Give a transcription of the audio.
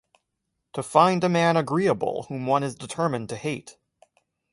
To find a man agreeable whom one is determined to hate!